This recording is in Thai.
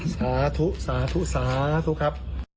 สาธุสาธุสาธุครับ